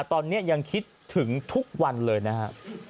ตอนนี้ยังคิดถึงทุกวันเลยนะครับ